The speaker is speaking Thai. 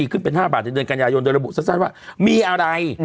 ขึ้นเป็น๕บาทในเดือนกันยายนโดยระบุสั้นว่ามีอะไร